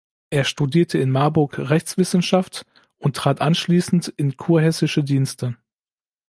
Er studierte in Marburg Rechtswissenschaft und trat anschließend in kurhessische Dienste.